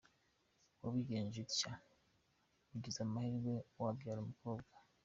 Wabigenje utya, ugize amahirwe wabyara umukobwa.